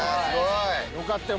よかったよ